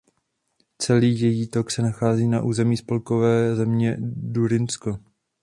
Celý její tok se nachází na území spolkové země Durynsko.